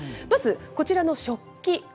まずこちらの食器。